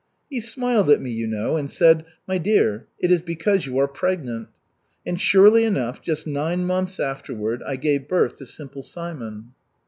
He smiled at me, you know, and said, 'My dear, it is because you are pregnant.' And surely enough, just nine months afterward I gave birth to Simple Simon."